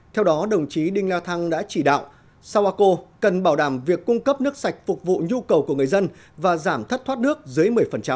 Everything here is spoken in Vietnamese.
theo đó đồng chí đinh la thăng đã chỉ đạo sapa cần bảo đảm việc cung cấp nước sạch phục vụ nhu cầu của người dân và giảm thất thoát nước dưới một mươi